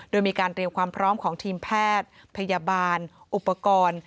โดยมีการเตรียมความพร้อมของทีมแพทย์พยาบาลอุปกรณ์